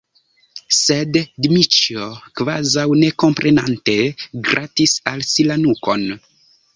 Sed Dmiĉjo, kvazaŭ ne komprenante, gratis al si la nukon.